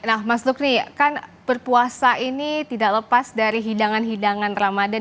nah mas nukri kan berpuasa ini tidak lepas dari hidangan hidangan ramadan